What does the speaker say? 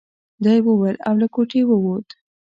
دا يې وويل او له کوټې ووت.